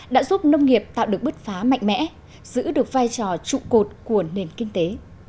đã giúp nông nghiệp tạo được bứt phá mạnh mẽ giữ được vai trò trụ cột của nền kinh tế